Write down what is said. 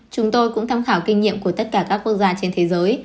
chúng tôi cũng tham khảo kinh nghiệm của tất cả các quốc gia trên thế giới